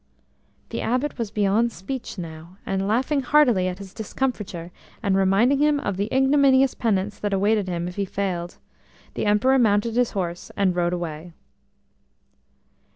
The Abbot was beyond speech now, and, laughing heartily at his discomfiture, and reminding him of the ignominious penance that awaited him if he failed, the Emperor mounted his horse and rode away.